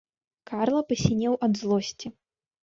Карла пасінеў ад злосці.